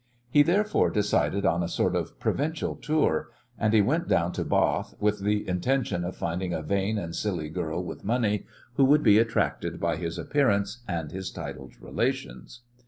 He, therefore, decided on a sort of provincial tour, and he went down to Bath with the intention of finding a vain and silly girl with money, who would be attracted by his appearance and his titled relations.